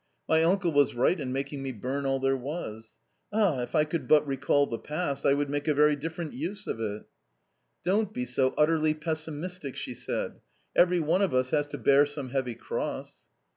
My uncle was right in making me burn all there was. Ah, if I could but recall the past, I would make a very different use of it !" "Don't be so utterly pessimistic !" she said; "every one of us has to bear some heavy cross."